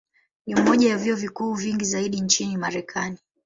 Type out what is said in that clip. Ni moja ya vyuo vikuu vingi zaidi nchini Marekani.